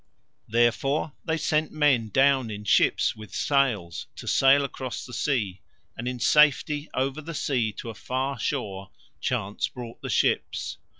Therefore they sent men down in ships with sails to sail across the sea, and in safety over the sea to a far shore Chance brought the ships.